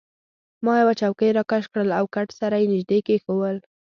ما یوه چوکۍ راکش کړل او کټ سره يې نژدې کښېښوول.